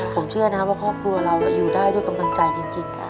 ผมเชื่อนะว่าครอบครัวเราอยู่ได้ด้วยกำลังใจจริง